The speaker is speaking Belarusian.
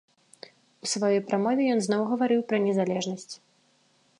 У сваёй прамове ён зноў гаварыў пра незалежнасць.